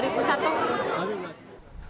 pernah tahun dua ribu satu